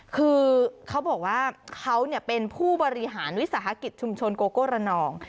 คือเขาบอกว่าเขาเป็นผู้บริหารวิสาหกิจชุมชนโกโก้ระนอง